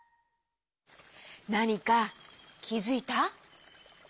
なにかきづいた？